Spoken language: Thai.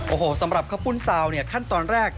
โอ้โหสำหรับข้าวปุ้นซาวเนี่ยขั้นตอนแรก